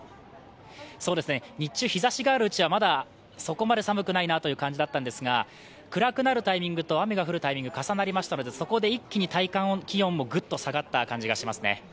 日中、日差しがあるうちは、まだそこまで寒くないなという感じだったんですが、暗くなるタイミングと雨が降るタイミングが重なりましたのでそこで一気に体温気温もグッと下がった感じがしますね。